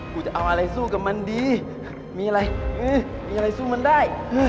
กูจะเอาอะไรสู้กับมันดีมีอะไรมีอะไรสู้มันได้